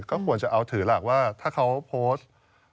ก็ควรจะเอาถือหลักว่าถ้าเขาโพสต์